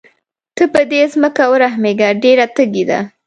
ته په دې ځمکه ورحمېږه ډېره تږې ده.